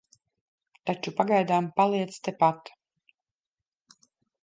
Taču pagaidām paliec tepat.